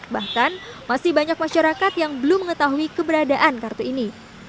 bahkan masih banyak masyarakat yang belum mengetahui keberadaan kartu ini